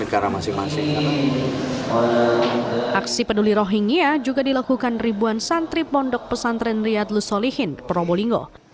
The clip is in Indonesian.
aksi peduli rohingya juga dilakukan ribuan santri pondok pesantren riyadlus solihin probolinggo